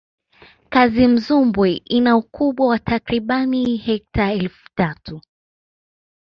kazimzumbwi ina ukubwa wa takribani hekta elfu tatu